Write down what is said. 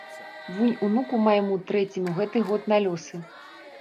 Вунь унуку майму трэцяму гэты год на лёсы.